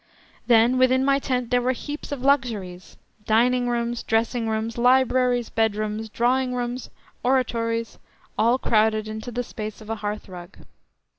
Then within my tent there were heaps of luxuries—dining rooms, dressing rooms, libraries, bedrooms, drawing rooms, oratories, all crowded into the space of a hearthrug.